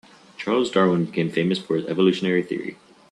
Charles Darwin became famous for his evolutionary theory.